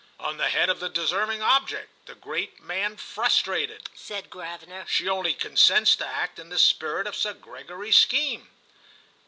"On the head of the deserving object, the great man frustrated," said Gravener. "She only consents to act in the spirit of Sir Gregory's scheme."